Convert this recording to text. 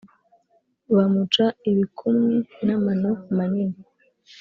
bamuca ibikumwe n’amano manini.